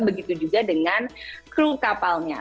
begitu juga dengan kru kapalnya